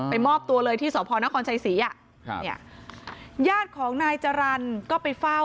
มอบตัวเลยที่สพนครชัยศรีอ่ะครับเนี่ยญาติของนายจรรย์ก็ไปเฝ้า